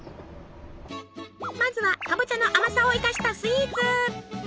まずはかぼちゃの甘さを生かしたスイーツ。